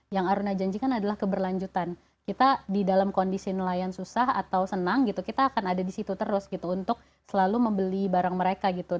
yang aruna janjikan adalah keberlanjutan kita di dalam kondisi nelayan susah atau senang gitu kita akan ada di situ terus gitu untuk selalu membeli barang mereka gitu